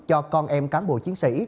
cho con em cán bộ chiến sĩ